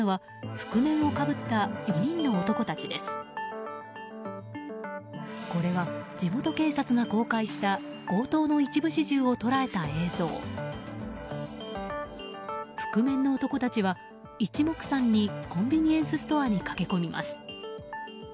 覆面の男たちは一目散にコンビニエンスストアに駆け込みます。